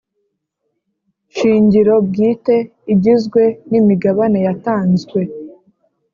Shingiro bwite igizwe n imigabane yatanzwe